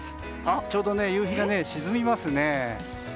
ちょうど夕日が沈みますね。